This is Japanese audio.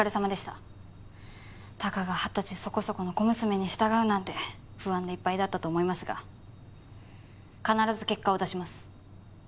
たかが二十歳そこそこの小娘に従うなんて不安でいっぱいだったと思いますが必ず結果を出します。